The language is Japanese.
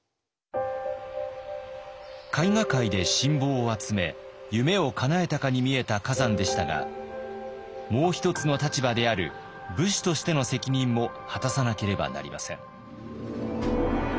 絵画界で信望を集め夢をかなえたかに見えた崋山でしたがもう一つの立場である武士としての責任も果たさなければなりません。